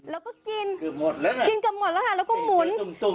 แล้วก็กินกินกับหมดแล้วค่ะแล้วก็หมุน